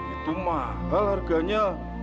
itu mahal harganya